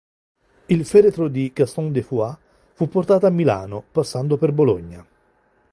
Il feretro di Gaston de Foix fu portato a Milano, passando per Bologna.